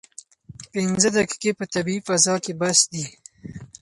پنځه دقیقې په طبیعي فضا کې بس دي.